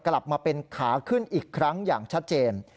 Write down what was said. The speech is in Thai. กลับมาเป็นขาขึ้นอีกครั้งอย่างชัดเจน